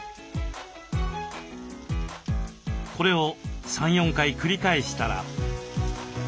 これを３４回繰り返したら。